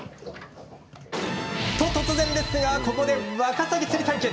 突然ですがここで、ワカサギ釣り対決。